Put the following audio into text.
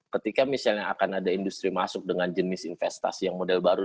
ketika misalnya akan ada industri masuk dengan jenis investasi yang model baru